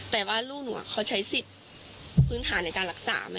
แต่ว่าลูกหนูเขาใช้สิทธิ์พื้นฐานในการรักษาไหม